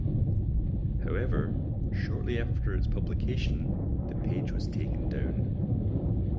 However, shortly after its publication, the page was taken down.